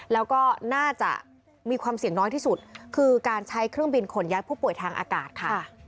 แล้วก็น่าจะมีความเสี่ยงน้อยที่สุดคือการใช้เครื่องบินขนย้ายผู้ป่วยทางอากาศค่ะ